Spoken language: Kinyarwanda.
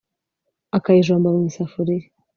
akayijomba mu isafuriya